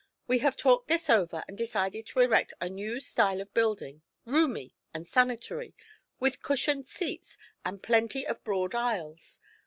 We have talked this over and decided to erect a new style of building, roomy and sanitary, with cushioned seats and plenty of broad aisles.